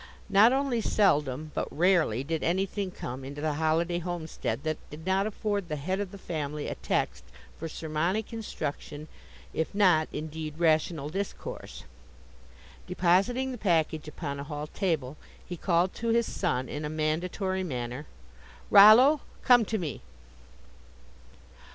Not only seldom, but rarely, did anything come into the Holliday homestead that did not afford the head of the family a text for sermonic instruction, if not, indeed, rational discourse. Depositing the package upon a hall table, he called to his son in a mandatory manner: "Rollo, come to me."